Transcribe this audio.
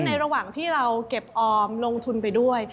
ระหว่างที่เราเก็บออมลงทุนไปด้วย